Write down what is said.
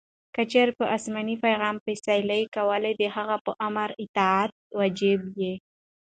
کې چیري په اسماني پیغام فیصلې کولې؛ د هغه آمر اطاعت واجب يي.